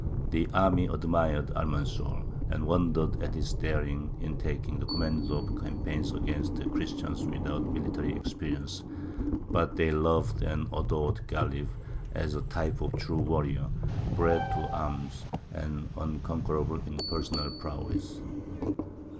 The army admired Almanzor, and wondered at his daring in taking the command of campaigns against the Christians without military experience; but they loved and adored Ghālib, as a type of the true warrior, bred to arms, and unconquerable in personal prowess.